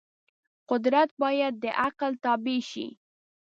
قدرت باید د عقل تابع شي.